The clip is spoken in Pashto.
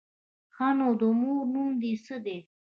_ښه نو، د مور نوم دې څه دی؟